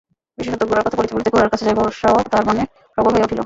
বিশেষত গোরার কথা বলিতে বলিতে গোরার কাছে যাইবার উৎসাহও তাহার মনে প্রবল হইয়া উঠিল।